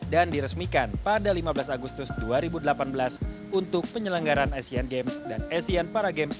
dan diresmikan pada lima belas agustus dua ribu delapan belas untuk penyelenggaran asean games dan asean para games dua ribu delapan belas